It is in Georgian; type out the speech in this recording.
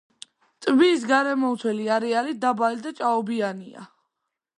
ტბის გარემომცველი არეალი დაბალი და ჭაობიანია.